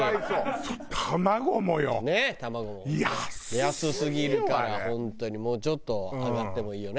安すぎるから本当にもうちょっと上がってもいいよね。